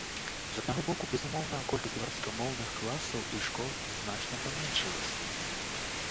З аднаго боку, безумоўна, колькасць беларускамоўных класаў і школ значна паменшылася.